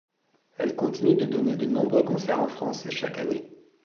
Elle continue de donner de nombreux concerts en France chaque année.